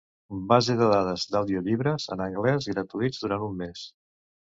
Base de dades d'audiollibres en anglès gratuïts durant un mes.